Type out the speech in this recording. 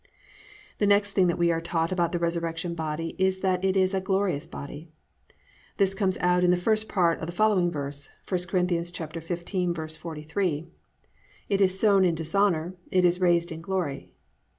6. The next thing that we are taught about the resurrection body is that it is a glorious body. This comes out in the first part of the following verse, I Cor. 15:43, +"It is sown in dishonour; it is raised in glory."